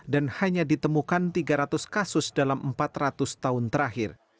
dan hanya ditemukan tiga ratus kasus dalam empat ratus tahun terakhir